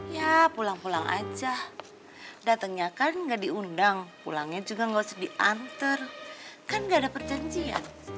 ya pulang pulang aja datengnya kan ga diundang pulangnya juga ga usah diantar kan ga ada perjanjian